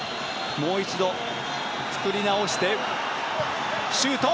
もう一度、作り直してシュート。